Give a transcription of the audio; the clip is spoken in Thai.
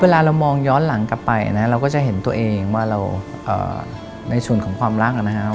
เรามองย้อนหลังกลับไปนะเราก็จะเห็นตัวเองว่าเราในส่วนของความรักนะครับ